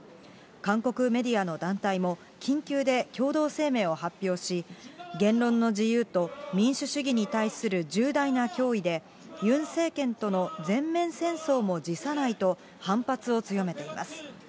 韓国メディアの団体も、緊急で共同声明を発表し、言論の自由と、民主主義に対する重大な脅威で、ユン政権との全面戦争も辞さないと、反発を強めています。